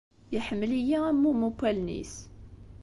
Iḥemmel-iyi am mummu n wallen-is.